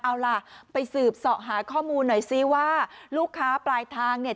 เอาล่ะไปสืบเสาะหาข้อมูลหน่อยซิว่าลูกค้าปลายทางเนี่ย